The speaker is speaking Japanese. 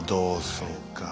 そうか。